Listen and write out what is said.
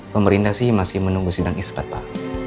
pemerintah sih masih menunggu sindang ispat pak